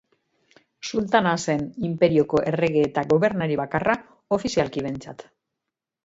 Sultana zen inperioko errege eta gobernari bakarra, ofizialki behintzat.